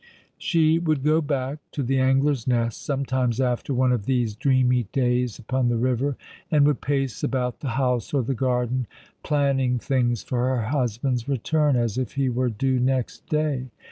^' But the Days drop One by Oner 31 Sho would go back to the Angler s Nest sometimes after one of these dreamy days upon the river, and would paco about the house or the garden, planning things for her hus band's return, as if he were due next day.